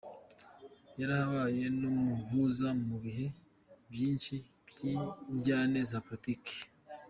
Yarabaye n’umuhuza mu bihe vyinshi vy’indyane za politike.